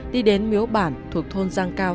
đi đến miếu bản thuộc thôn giang cao